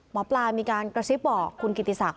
หมอปลามีการกระซิบบอกคุณกิติศักดิ